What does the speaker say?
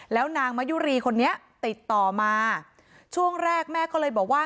แล้วนางมะยุรีคนนี้ติดต่อมาช่วงแรกแม่ก็เลยบอกว่า